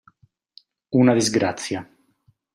Una disgrazia.